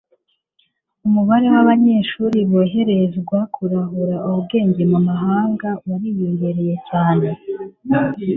umubare w'abanyeshuri boherezwa kurahura ubwenge mu mahanga wariyongereye cyane